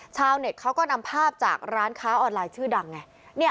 ชาวเน็ตเขาก็นำภาพจากร้านค้าออนไลน์ชื่อดังไง